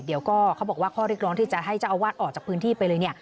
เดี๋ยวก็เขาบอกว่าข้อเรียกร้องที่จะให้เจ้าอาวาสออกจากพื้นที่ไปเลยเนี่ย